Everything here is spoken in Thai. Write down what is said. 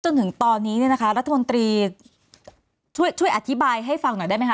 จนถึงตอนนี้เนี่ยนะคะรัฐมนตรีช่วยอธิบายให้ฟังหน่อยได้ไหมคะ